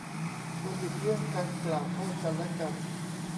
ควรหลีกเลี่ยงการกล่าวโทษกันและกัน